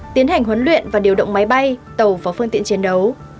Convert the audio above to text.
tiến hành huấn luyện và điều động máy bay tàu và phương tiện chiến đấu